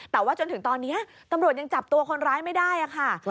แต่ว่าจนถึงตอนนี้ตำรวจยังจับตัวคนร้ายไม่ได้ค่ะ